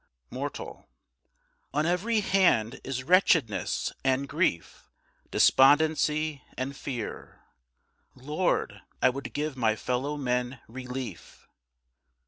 Mortal. On every hand is wretchedness and grief, Despondency and fear. Lord, I would give my fellow men relief.